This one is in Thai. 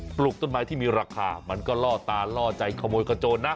ปลูกต้นไม้ที่มีราคามันก็ล่อตาล่อใจขโมยขโจนนะ